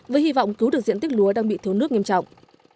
với hy vọng cứu được diện tích lúa đang bị thiếu nước nghiêm trọng